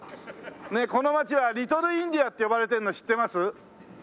ねえこの街はリトルインディアって呼ばれてるの知ってます？